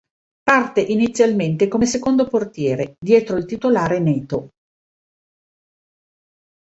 Parte inizialmente come secondo portiere, dietro il titolare Neto.